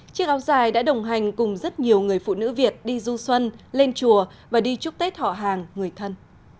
chiếc áo dài đã đồng hành cùng rất nhiều người phụ nữ việt đi du xuân lên chùa và đi chúc tết họ hàng người thân